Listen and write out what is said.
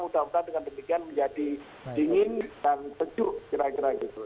dan kita dengan demikian menjadi dingin dan tejuk kira kira gitu